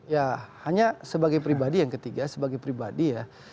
ya hanya sebagai pribadi yang ketiga sebagai pribadi ya